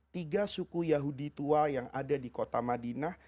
tiga suku yahudi tua yang ada di kota madinah